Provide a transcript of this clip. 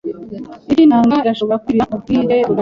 Ifi yintanga irashobora kwibira mubwimbye bwa metero ..